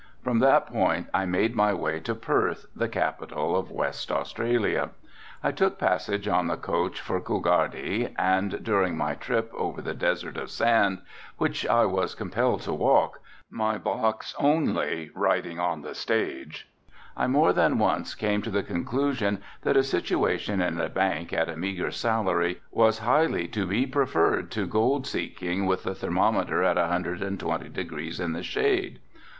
From that point I made my way to Perth, the capital of West Australia. I took passage on the coach for Coolgardie, and during my trip over the desert of sand, which I was compelled to walk, my box only riding on the stage, I more than once came to the conclusion that a situation in a bank at a meagre salary was highly to be preferred to gold seeking with the thermometer at 120 degrees in the shade.